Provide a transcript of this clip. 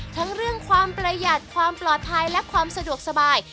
ทั้งเรื่องความประหยัดความปลอดภัยและความสะดวกสบาย